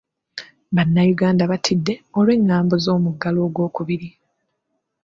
Bannayuganda batidde olw'engambo z'omuggalo ogw'okubiri.